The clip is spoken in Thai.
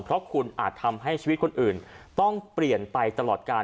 เพราะคุณอาจทำให้ชีวิตคนอื่นต้องเปลี่ยนไปตลอดการ